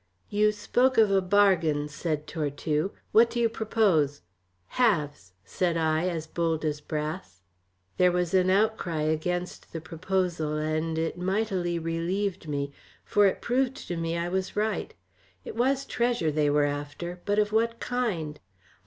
"You spoke of a bargain," said Tortue. "What do you propose?" "Halves!" said I, as bold as brass. There was an outcry against the proposal, and it mightily relieved me, for it proved to me I was right. It was treasure they were after, but of what kind?